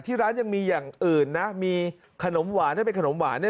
ที่ร้านยังมีอย่างอื่นนะมีขนมหวานให้เป็นขนมหวานเนี่ย